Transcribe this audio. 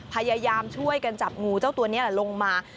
พยายามช่วยกันจับงูเจ้าตัวนี้ลงมา